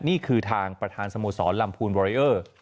นี่คือทางประธานสโมสรลำพูนวอเรอร์